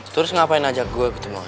terus ngapain ajak gue ke tempat ini